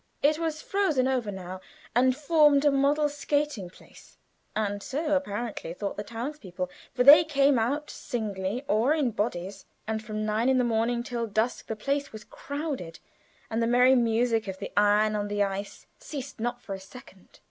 It was frozen over now, and formed a model skating place, and so, apparently, thought the townspeople, for they came out, singly or in bodies, and from nine in the morning till dusk the place was crowded, and the merry music of the iron on the ice ceased not for a second.